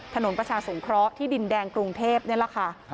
ถนนประชาสงครอบรรยาที่ดินแดงกรุงเทพฯนี่ล่ะค่ะ